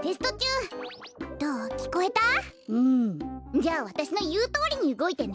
じゃあわたしのいうとおりにうごいてね。